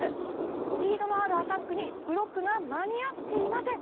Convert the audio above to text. スピードのあるアタックにブロックが間に合っていません。